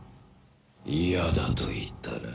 嫌だと言ったら？